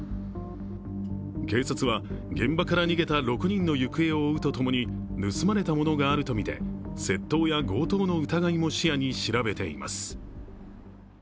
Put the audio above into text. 警察は、現場から逃げた６人の行方を追うとともに盗まれたものがあるとみて窃盗や強盗の疑いも視野に調べています。